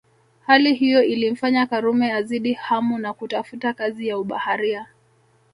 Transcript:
Hali hiyo ilimfanya Karume azidi hamu na kutafuta kazi ya ubaharia